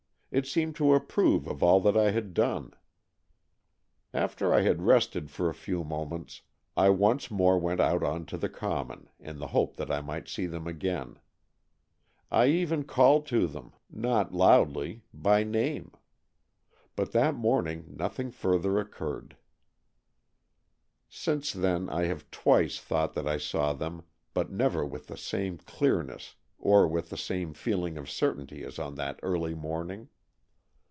It seemed to approve of all that I had done. After I had rested for a few moments, I once more went out on to the common, in the hope that I might see them again. I even called to them, not 254 AN EXCHANGE OF SOULS loudly, by name. But that morning nothing further occurred. Since then I have twice thought that I saw them, but never with the same clearness or with the same feeling of certainty as on that early morning.